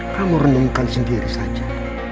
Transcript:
kamu renungkan sendiri saja